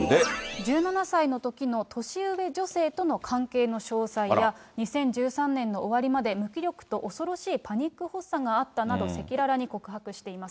１７歳のときの年上女性との関係の詳細や、２０１３年の終わりまで、無気力と恐ろしいパニック発作など、赤裸々に告白しています。